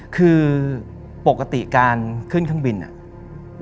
คือปกติการขึ้นเครื่องบินอ่ะ